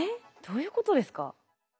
どういうことですか？